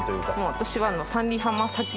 私は。